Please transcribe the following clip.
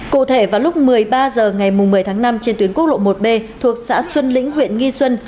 cụ thể vào lúc một mươi ba h ngày một mươi tháng năm trên tuyến quốc lộ một b thuộc xã xuân lĩnh huyện nghi xuân